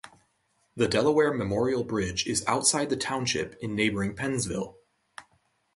The Delaware Memorial Bridge is outside the township in neighboring Pennsville.